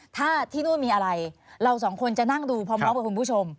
ถ้าที่นู่นมีอะไรเราสองคนจะนั่งดูพร้อมกับคุณผู้ชม